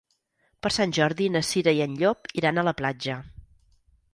Per Sant Jordi na Cira i en Llop iran a la platja.